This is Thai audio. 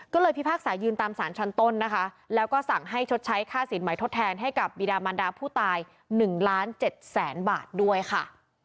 ก็เลยพิพากษายืนตามสารชั้นต้นนะคะแล้วก็สั่งให้ชดใช้ค่าสินใหม่ทดแทนให้กับบีดามันดาผู้ตาย๑ล้าน๗แสนบาทด้วยค่ะ